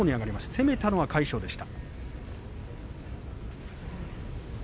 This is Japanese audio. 攻めたのは魁勝でした。